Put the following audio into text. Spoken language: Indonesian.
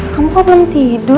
kamu kok belum tidur